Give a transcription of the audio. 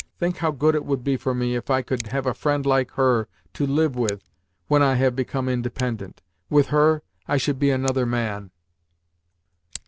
Think how good it would be for me if I could have a friend like her to live with when I have become independent! With her I should be another man."